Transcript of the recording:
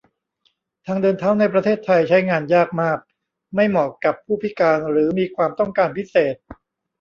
ทางเดินเท้าในประเทศไทย ใช้งานยากมาก ไม่เหมาะกับผู้พิการหรือมีความต้องการพิเศษ